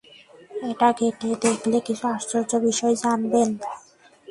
এটা ঘেঁটে দেখলে কিছু আশ্চর্য বিষয় জানবেন।